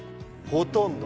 ほとんど・